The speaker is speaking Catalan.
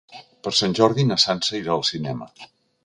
Per Sant Jordi na Sança irà al cinema.